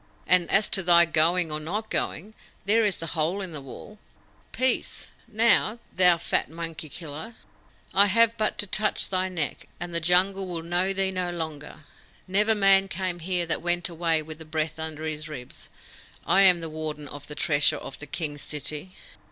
And as to thy going or not going, there is the hole in the wall. Peace, now, thou fat monkey killer! I have but to touch thy neck, and the Jungle will know thee no longer. Never Man came here that went away with the breath under his ribs. I am the Warden of the Treasure of the King's City!"